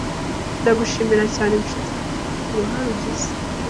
Ndagushimira cyane nshuti kuruhare ugize